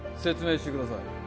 説明してください